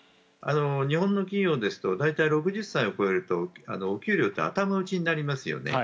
日本の企業ですと大体、６０歳を超えるとお給料って頭打ちになりますよね。